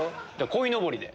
「こいのぼり」で。